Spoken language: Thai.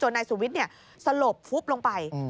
นายสุวิทย์สลบฟุบลงไป